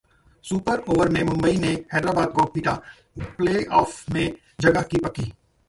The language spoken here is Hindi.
सुपर ओवर में मुंबई ने हैदराबाद को पीटा, प्लेऑफ में जगह की पक्की